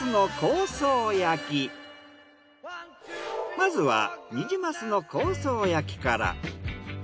まずはニジマスの香草焼きから。